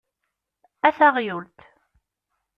A taɣyult!